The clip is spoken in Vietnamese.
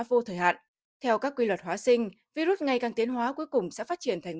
vô thời hạn theo các quy luật hóa sinh virus ngày càng tiến hóa cuối cùng sẽ phát triển thành